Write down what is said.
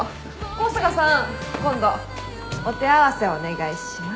香坂さん今度お手合わせお願いします。